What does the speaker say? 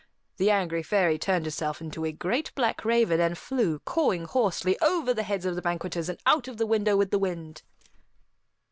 The angry fairy turned herself into a great black raven and flew, cawing hoarsely, over the heads of the banqueters and out of the window with the wind.